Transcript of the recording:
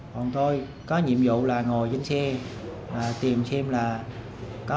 còn tôi có nhiệm vụ là ngồi trên xe tìm xem là có ngôi nhà nào khóa cửa để thực hiện hành vi trộm cắp hay không